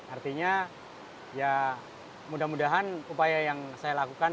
artinya ya mudah mudahan upaya yang saya lakukan